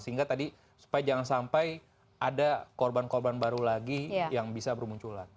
sehingga tadi supaya jangan sampai ada korban korban baru lagi yang bisa bermunculan